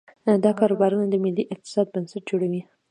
دا کاروبارونه د ملي اقتصاد بنسټ جوړوي.